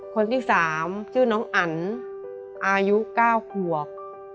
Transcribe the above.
คนที่๓ชื่อน้องอันอายุ๙ขวบ